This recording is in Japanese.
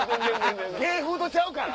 芸風とちゃうから。